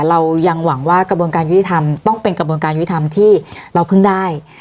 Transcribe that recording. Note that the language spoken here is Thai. เรายังหวังว่ากระบวนการยุติธรรมต้องเป็นกระบวนการยุทธรรมที่เราเพิ่งได้